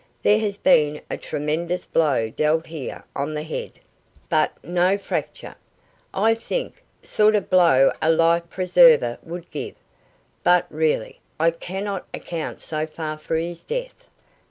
There has been a tremendous blow dealt here on the head but no fracture, I think sort of blow a life preserver would give; but, really, I cannot account so far for his death.